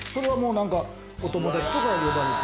お友達とか呼ばれて。